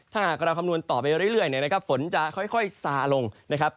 ถ้าหากเราคำนวณต่อไปเรื่อยเนี่ยนะครับฝนจะค่อยซาลงนะครับ